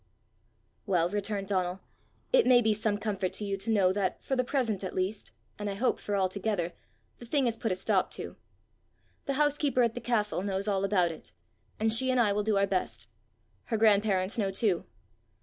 "Well," returned Donal, "it may be some comfort to you to know that, for the present at least, and I hope for altogether, the thing is put a stop to. The housekeeper at the castle knows all about it, and she and I will do our best. Her grandparents know too.